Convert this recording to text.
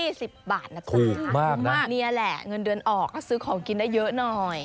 อุ๊บมากนะคุณผู้ชมค่ะนี่แหละเงินเดือนออกก็ซื้อของกินได้เยอะหน่อย